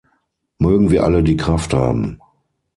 Mögen wir alle die Kraft haben!